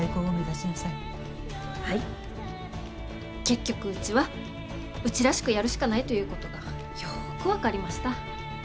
結局うちはうちらしくやるしかないということがよく分かりました。